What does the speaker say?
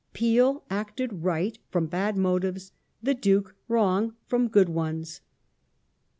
*' Peel acted right from bad motives, the Duke wrong from good ones."